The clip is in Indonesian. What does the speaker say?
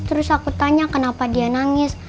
terus aku tanya kenapa dia nangis